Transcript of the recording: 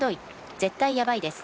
絶対やばいです。